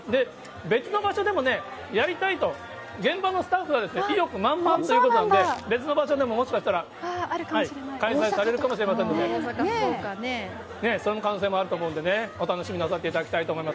別の場所でもやりたいと、現場のスタッフは意欲満々ということなんで、別のでももしかしたら開催されるかもしれませんので、その可能性もあると思うんでね、お楽しみになさっていただきたいと思います。